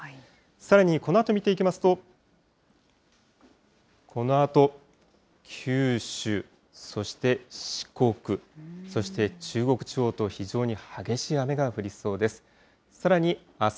さらにこのあと見ていきますと、このあと、九州、そして四国、そして中国地方と、非常に激しい雨が降りそうです。